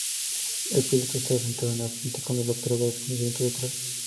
El piloto estaba sentado en el frente, con el operador de reconocimiento detrás.